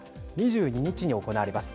２２日に行われます